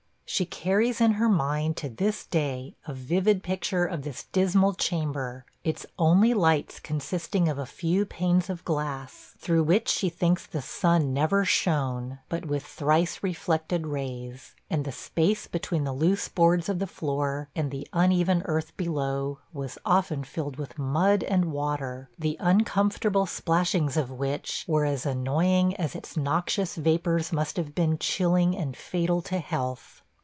She carries in her mind, to this day, a vivid picture of this dismal chamber; its only lights consisting of a few panes of glass, through which she thinks the sun never shone, but with thrice reflected rays; and the space between the loose boards of the floor, and the uneven earth below, was often filled with mud and water, the uncomfortable splashings of which were as annoying as its noxious vapors must have been chilling and fatal to health.